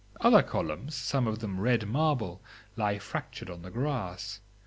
Other columns, some of them red marble, lie fractured on the grass.